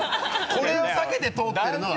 これを避けて通ってるのは。